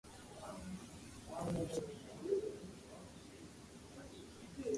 This standard uses geolocation and spectrum sensing for spectral awareness.